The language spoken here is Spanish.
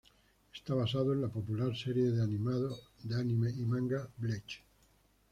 Está basado en la popular serie de anime y manga, Bleach.